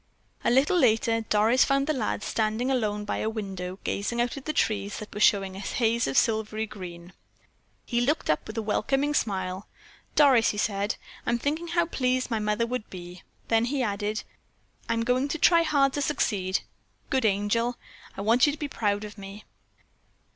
A little later Doris found the lad standing alone by a window gazing out at the trees that were showing a haze of silvery green. He looked up with a welcoming smile. "Doris," he said, "I'm thinking how pleased my mother would be." Then he added: "I'm going to try hard to succeed, Good Angel. I want you to be proud of me."